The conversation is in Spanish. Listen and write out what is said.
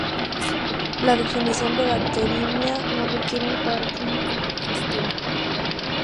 La definición de bacteriemia no requiere un cuadro clínico manifiesto.